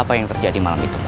apa yang terjadi malam itu pak